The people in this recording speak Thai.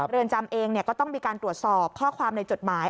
เรือนจำเองก็ต้องมีการตรวจสอบข้อความในจดหมาย